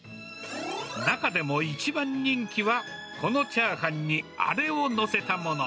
中でも一番人気は、このチャーハンにあれを載せたもの。